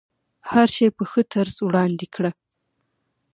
هر شی په ښه طرز وړاندې کړه.